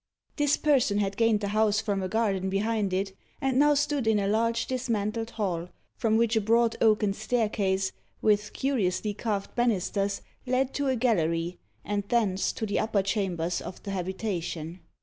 This person had gained the house from a garden behind it, and now stood in a large dismantled hall, from which a broad oaken staircase, with curiously carved banisters, led to a gallery, and thence to the upper chambers of the habitation.